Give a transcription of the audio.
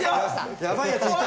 やばいヤツいた。